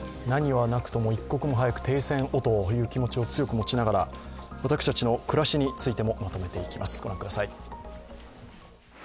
何はなくても一刻も早く停戦をという気持ちを強く持ちながら、私たちの暮らしについてもまとめていきます。